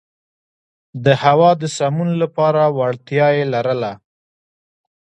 د هوا د سمون لپاره وړتیا یې لرله.